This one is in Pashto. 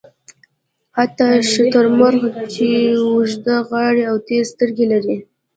حتی شترمرغ چې اوږده غاړه او تېزې سترګې لري.